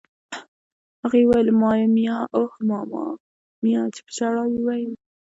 هغه یې ویل: مامیا! اوه ماما میا! چې په ژړا یې وویل.